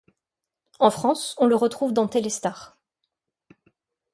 En France, on le retrouve dans Télé Star.